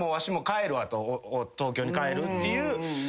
帰るわと東京に帰るっていう。